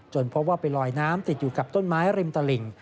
เพราะว่าไปลอยน้ำติดอยู่กับต้นไม้ริมตลิ่ง